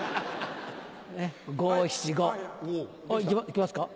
いきますか？